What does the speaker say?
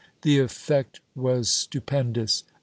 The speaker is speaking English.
The effect was stupendous.